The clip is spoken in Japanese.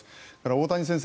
大谷先生